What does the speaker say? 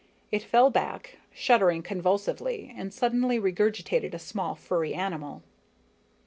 It fell back, shuddering convulsively, and suddenly regurgitated a small, furry animal.